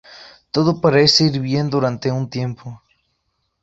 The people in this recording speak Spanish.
Todo parece ir bien durante un tiempo.